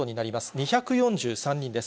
２４３人です。